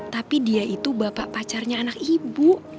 tapi dia itu bapak pacarnya anak ibu